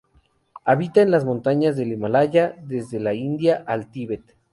Habita en las montañas del Himalaya, desde la India al Tíbet.